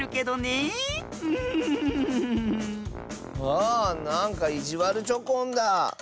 あなんかいじわるチョコンだ。